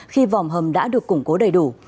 khi vòm hầm đã được củng cố đầy đủ